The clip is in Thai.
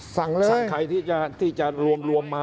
สั่งเลยสั่งใครที่จะรวมมา